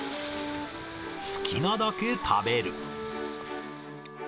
好きなだけ食べる。